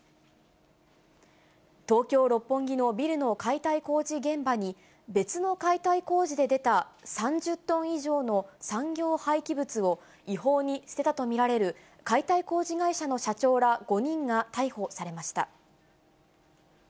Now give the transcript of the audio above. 東京・六本木のビルの解体工事現場に、別の解体工事で出た３０トン以上の産業廃棄物を違法に捨てたと見られる解体工事会社の社長ら５人が逮捕されました。